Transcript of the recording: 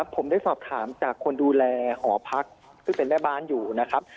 ผมได้สอบถามจากคนดูแลหอพักซึ่งเป็นแม่บ้านอยู่นะครับ